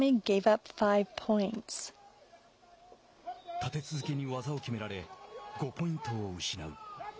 立て続けに技を決められ５ポイントを失う。